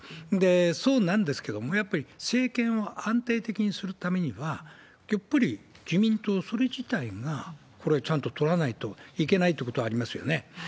そうなんですけれども、やっぱり政権を安定的にするためには、やっぱり自民党、それ自体がこれ、ちゃんと取らないといけないってことはありますよね。